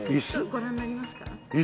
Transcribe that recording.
ご覧になりますか？